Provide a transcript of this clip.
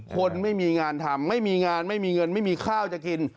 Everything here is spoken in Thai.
คนไม่มีงานทำไม่มีงานไม่มีเงินไม่มีข้าวจะกิน